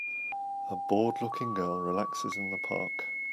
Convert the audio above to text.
A boredlooking girl relaxes in the park.